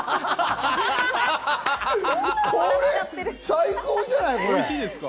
これ最高じゃない！